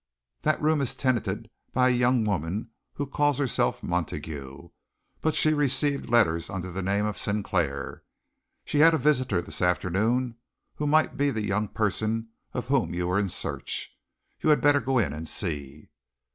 "That room is tenanted by a young woman who called herself Montague, but received letters under the name of Sinclair. She had a visitor this afternoon who might be the young person of whom you are in search. You had better go in and see."